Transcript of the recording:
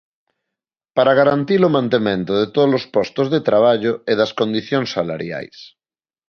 Para garantir o mantemento de todos os postos de traballo e das condicións salariais.